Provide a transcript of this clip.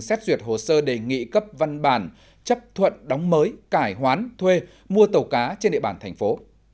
xét duyệt hồ sơ đề nghị cấp văn bản chấp thuận đóng mới cải hoán thuê mua tàu cá trên địa bàn thành phố